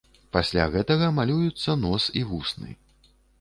Пасля гэтага малююцца нос і вусны.